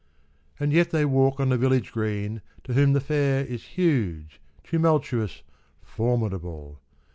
x\nd yet they walk on the village green to whom The fair is huge, tumultuous, formidable.